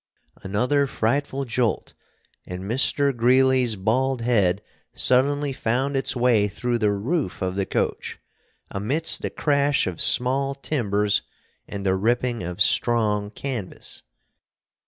Another frightful jolt, and Mr. Greeley's bald head suddenly found its way through the roof of the coach, amidst the crash of small timbers and the ripping of strong canvas.